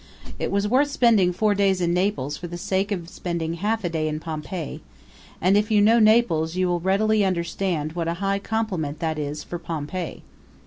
It was worth spending four days in Naples for the sake of spending half a day in Pompeii; and if you know Naples you will readily understand what a high compliment that is for Pompeii.